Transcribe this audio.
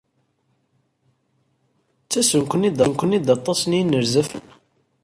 Ttasen-ken-id aṭas n yinerzafen?